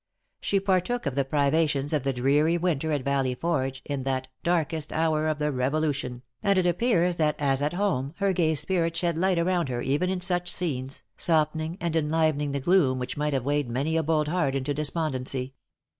She partook of the privations of the dreary winter at Valley Forge, in that "darkest hour of the Revolution;" and it appears that, as at home, her gay spirit shed light around her even in such scenes, softening and enlivening the gloom which might have weighed many a bold heart into despondency.